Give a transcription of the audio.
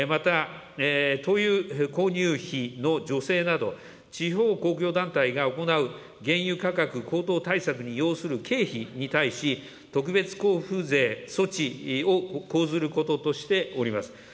また灯油購入費の女性など、地方公共団体が行う原油価格高騰対策に要する経費に対し、特別交付税措置を講ずることとしております。